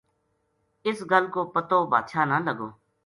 اس گل کو پتو بادشاہ نا لگو